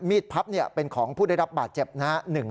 พับเป็นของผู้ได้รับบาดเจ็บนะฮะ